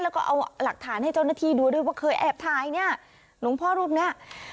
แล้วก็เอาหลักฐานให้เจ้าหน้าที่ดูด้วยว่าเคยแอบถ่ายเนี่ยหลวงพ่อรูปเนี้ย